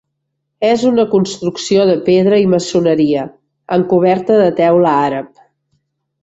És una construcció de pedra i maçoneria amb coberta de teula àrab.